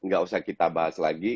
gak usah kita bahas lagi